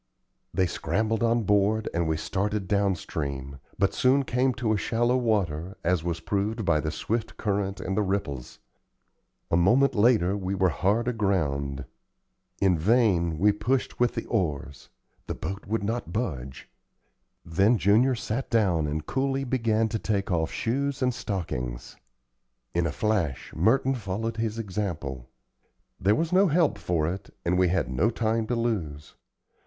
They scrambled on board, and we started down stream, but soon came to shallow water, as was proved by the swift current and the ripples. A moment later we were hard aground. In vain we pushed with the oars; the boat would not budge. Then Junior sat down and coolly began to take off shoes and stockings. In a flash Merton followed his example. There was no help for it, and we had no time to lose.